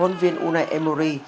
hôn viên unai emery